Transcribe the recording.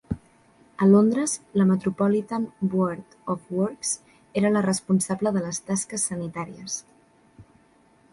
A Londres, la Metropolitan Board of Works era la responsable de les tasques sanitàries.